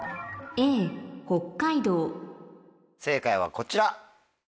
正解はこちら。